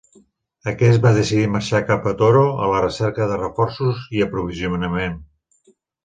Aquest va decidir marxar cap a Toro a la recerca de reforços i aprovisionament.